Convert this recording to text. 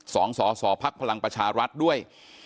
สองส่อส่อพักพลังประชารัฐด้วย